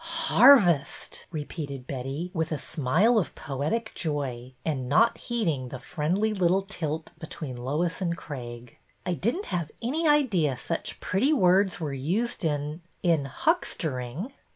'' Harvest !" repeated Betty, with a smile of poetic joy, and not heeding the friendly little tilt between Lois and Craig. '' I did n't have any idea such pretty words were used in — in huckstering."